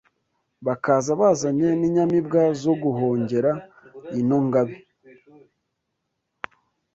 Bakaza bazanye n’inyamibwa Zo guhongera ino Ngabe